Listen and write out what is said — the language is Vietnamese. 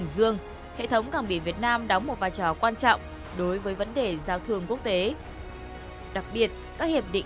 với hệ thống thiết bị hiện đại và cơ sở hạ tầng phù hợp với phương thức vận tài